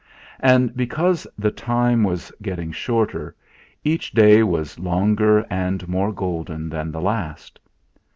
And because the time was getting shorter, each day was longer and more golden than the last.